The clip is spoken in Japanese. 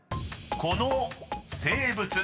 ［この生物］